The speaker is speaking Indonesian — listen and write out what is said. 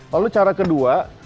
lalu cara kedua